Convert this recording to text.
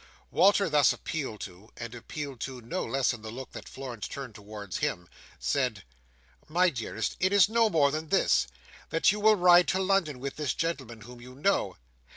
Walter thus appealed to, and appealed to no less in the look that Florence turned towards him, said: "My dearest, it is no more than this. That you will ride to London with this gentleman, whom you know."